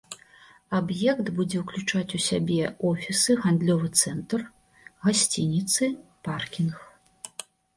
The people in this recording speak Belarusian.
Аб'ект будзе ўключаць у сябе офісы, гандлёвы цэнтр, гасцініцы, паркінг.